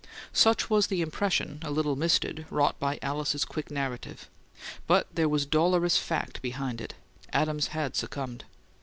Such was the impression, a little misted, wrought by Alice's quick narrative. But there was dolorous fact behind it: Adams had succumbed.